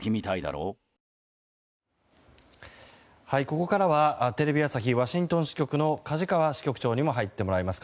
ここからはテレビ朝日ワシントン支局の梶川支局長にも入ってもらいます。